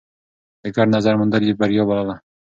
د ګډ نظر موندل يې بريا بلله.